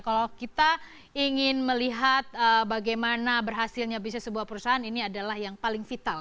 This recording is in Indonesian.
kalau kita ingin melihat bagaimana berhasilnya bisnis sebuah perusahaan ini adalah yang paling vital